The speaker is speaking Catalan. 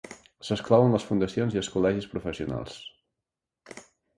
S'exclouen les fundacions i els col·legis professionals.